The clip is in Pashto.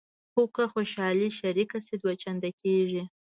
خو که خوشحالي شریکه شي دوه چنده کېږي.